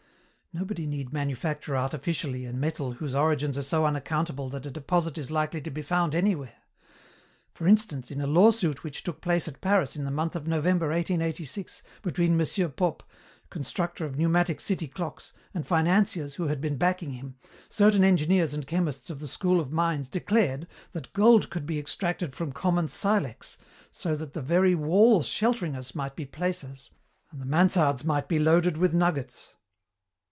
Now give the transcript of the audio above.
Nobody need manufacture artificially a metal whose origins are so unaccountable that a deposit is likely to be found anywhere. For instance, in a law suit which took place at Paris in the month of November, 1886, between M. Popp, constructor of pneumatic city clocks, and financiers who had been backing him, certain engineers and chemists of the School of Mines declared that gold could be extracted from common silex, so that the very walls sheltering us might be placers, and the mansards might be loaded with nuggets!